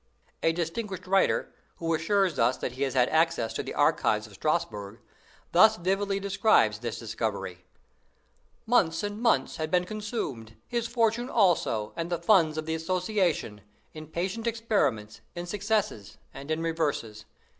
A distinguished writer, who assures us that he has had access to the archives of Strasbourg, thus vividly describes this discovery; "Months and years had been consumed his fortune also and the funds of the association in patient experiments, in successes, and in reverses.